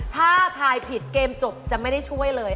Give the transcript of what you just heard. ถ้าทายผิดเกมจบจะไม่ได้ช่วยเลย